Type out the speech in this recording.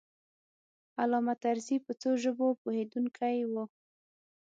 علامه طرزی په څو ژبو پوهېدونکی و.